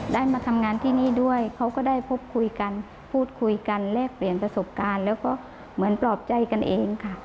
ได้มาทำงานที่นี่ด้วยเขาก็ได้พบคุยกันพูดคุยกันแลกเปลี่ยนประสบการณ์แล้วก็เหมือนปลอบใจกันเองค่ะ